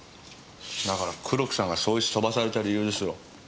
だから黒木さんが捜一飛ばされた理由ですよ。